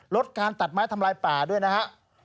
ลดการตัดไม้ทำลายป่าด้วยนะฮะ